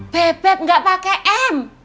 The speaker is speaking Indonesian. beb beb gak pakai m